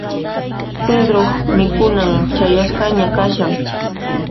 Pedroq mikhunan chayasqaña kashan.